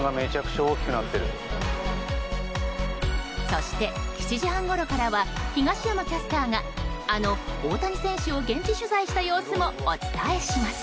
そして７時半ごろからは東山キャスターがあの大谷選手を現地取材した様子も、お伝えします。